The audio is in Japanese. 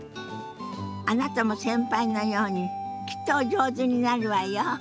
あなたも先輩のようにきっとお上手になるわよ。